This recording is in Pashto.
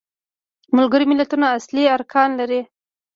ملګري ملتونه اصلي ارکان لري.